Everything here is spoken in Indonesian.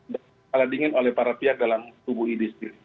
dengan ala dingin oleh para pihak dalam tubuh ini sendiri